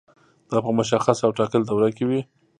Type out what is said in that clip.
دا په مشخصه او ټاکلې دوره کې وي.